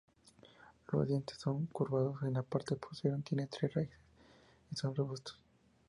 Los dientes son curvados en la parte posterior, tienen tres raíces y son robustos.